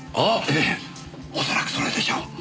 ええ恐らくそれでしょう。